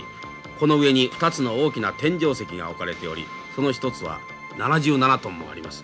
この上に２つの大きな天井石が置かれておりその一つは７７トンもあります。